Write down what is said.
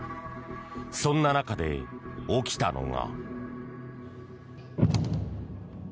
そんな中で起きたのが。